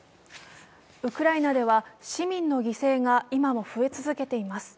ウクライナでは市民の犠牲が今も増え続けています。